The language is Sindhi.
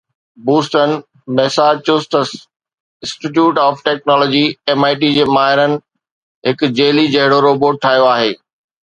Boston Massachusetts Institute of Technology MIT جي ماهرن هڪ جيلي جهڙو روبوٽ ٺاهيو آهي